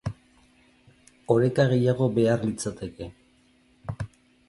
Oreka gehiago behar litzateke.